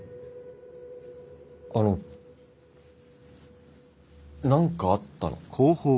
あの何かあったの？